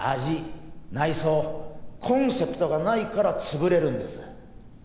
内装コンセプトがないから潰れるんです。